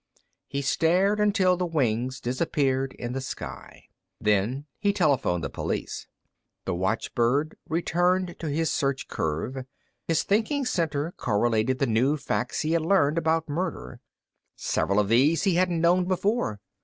He stared until the wings disappeared in the sky. Then he telephoned the police. The watchbird returned to his search curve. His thinking center correlated the new facts he had learned about murder. Several of these he hadn't known before.